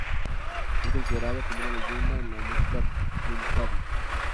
Es considerado como una leyenda en la música Punjabi.